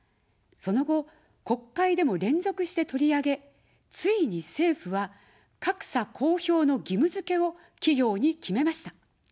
その後、国会でも連続して取り上げ、ついに政府は格差公表の義務づけを企業に決めました。